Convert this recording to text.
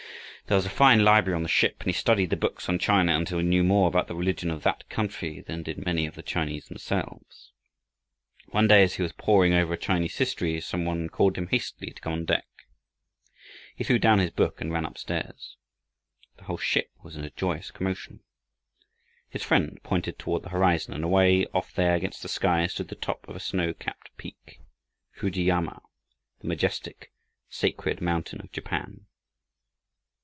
There was a fine library on the ship and he studied the books on China until he knew more about the religion of that country than did many of the Chinese themselves. One day, as he was poring over a Chinese history, some one called him hastily to come on deck. He threw down his book and ran up stairs. The whole ship was in a joyous commotion. His friend pointed toward the horizon, and away off there against the sky stood the top of a snow capped peak Fujiyama! the majestic, sacred mountain of Japan!